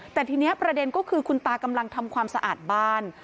แต่ทีนี้ประเด็นก็คือคุณตากำลังทำความสะอาดบ้าน